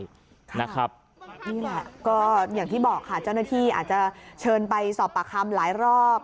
นี่แหละก็อย่างที่บอกค่ะเจ้าหน้าที่อาจจะเชิญไปสอบปากคำหลายรอบ